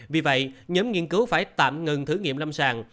vì vậy nhóm nghiên cứu phải tạm ngừng thử nghiệm lâm sàng